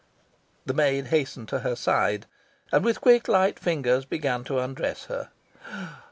The maid hastened to her side, and with quick light fingers began to undress her.